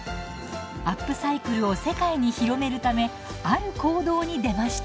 アップサイクルを世界に広めるためある行動に出ました。